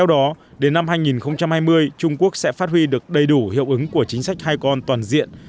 đến năm hai nghìn hai mươi trung quốc sẽ phát huy được đầy đủ hiệu ứng của chính sách hai con toàn diện